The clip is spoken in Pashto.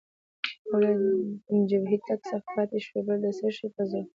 او له جبهې تګ څخه پاتې شوې، بل د څه شي په زور؟